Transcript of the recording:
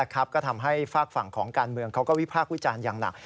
ก็ทำให้ฝากฝั่งของการเมืองเขาก็วิพากษ์วิจารณ์อย่างหนัก